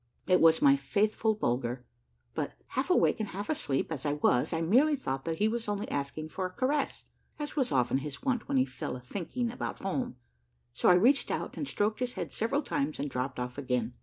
It was my faithful Bulger, but, half awake and half asleep as I was, I merely thought that he was only asking for a caress, as was often his wont when he fell a thinking about home, so I reached out and stroked his head several times and dropped off again.